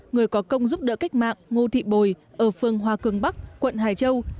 người có công giúp đỡ cách mạng ngô thị bồi ở phương hòa cường bắc quận hải châu